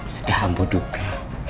sudah ambut duka